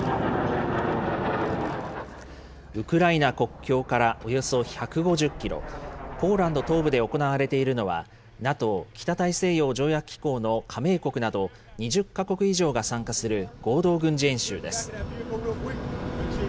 ウクライナ国境からおよそ１５０キロ、ポーランド東部で行われているのは、ＮＡＴＯ・北大西洋条約機構の加盟国など、２０か国以上が参加する合同軍事演習です。